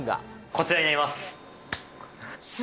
こちらになります。